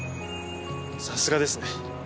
さすがですね。